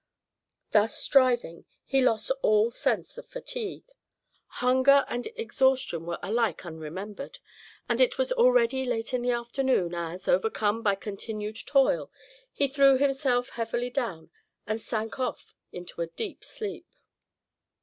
Thus striving, he lost all sense of fatigue. Hunger and exhaustion were alike unremembered, and it was already late in the afternoon, as, overcome by continued toil, he threw himself heavily down, and sank off into a deep sleep.